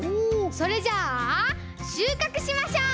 それじゃあしゅうかくしましょう！